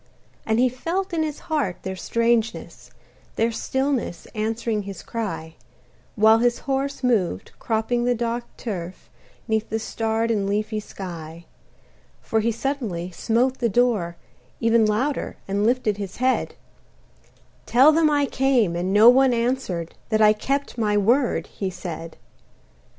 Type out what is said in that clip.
And he felt in his heart their strangeness, Their stillness answering his cry, While his horse moved, cropping the dark turf, 'Neath the starred and leafy sky; For he suddenly smote the door, even Louder, and lifted his head: "Tell them I came, and no one answered, That I kept my word," he said.